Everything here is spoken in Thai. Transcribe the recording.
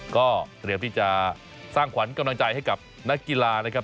ก็เตรียมที่จะสร้างขวัญกำลังใจให้กับนักกีฬานะครับ